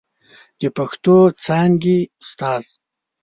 د پښتو څانګې استاد